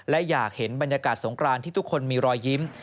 และอยากเห็นบรรยากาศสงครานที่ทุกคนมีรอยยิ้ม